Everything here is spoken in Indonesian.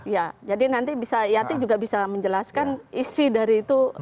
ya jadi nanti bisa yati juga bisa menjelaskan isi dari itu